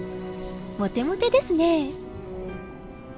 モテモテですね。